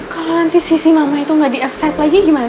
kalau nanti sisi mamah itu gak di app site lagi gimana